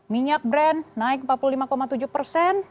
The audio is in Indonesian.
minyak brand naik empat puluh lima tujuh persen